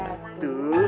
ada di kolong